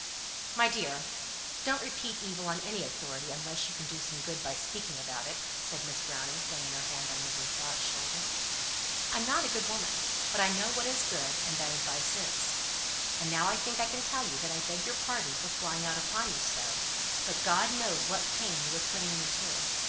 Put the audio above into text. "My dear, don't repeat evil on any authority unless you can do some good by speaking about it," said Miss Browning, laying her hand on Mrs. Dawes' shoulder. "I'm not a good woman, but I know what is good, and that advice is. And now I think I can tell you that I beg your pardon for flying out upon you so; but God knows what pain you were putting me to.